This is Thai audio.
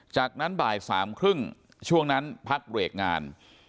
จากนั้นบ่าย๓๓๐ช่วงนั้นพักเบรกงาน